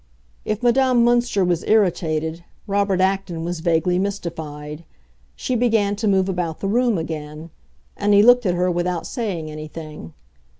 If Madame Münster was irritated, Robert Acton was vaguely mystified; she began to move about the room again, and he looked at her without saying anything.